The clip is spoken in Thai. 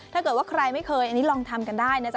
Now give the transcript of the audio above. ถ้าเกิดว่าใครไม่เคยอันนี้ลองทำกันได้นะจ๊